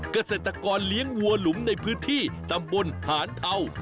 เกษตรกรเลี้ยงวัวหลุมในพื้นที่ตำบลหานเทา